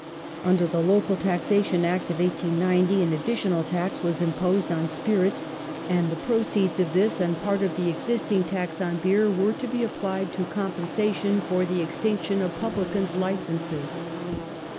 Under the Local Taxation Act of 1890 an additional tax was imposed on spirits, and the proceeds of this and part of the existing tax on beer were to be applied to compensation for the extinction of publicans' licenses.